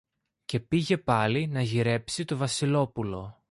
Και πήγε πάλι να γυρέψει το Βασιλόπουλο.